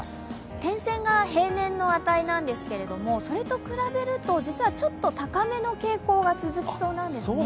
点線が平年の値なんですけれども、それと比べるとちょっと高めの傾向が続きそうなんですね。